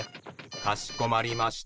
かしこまりました。